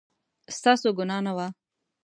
ستاسو ګناه نه وه